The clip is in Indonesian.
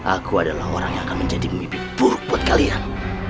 aku adalah orang yang akan menjadi pemimpin buruk buat kalian